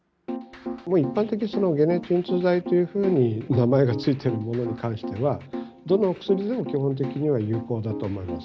一般的に解熱鎮痛剤というふうに名前が付いてるものに関しては、どのお薬でも基本的には有効だと思います。